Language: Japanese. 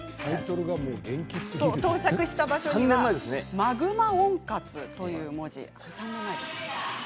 到着した場所にはマグマ温活という文字。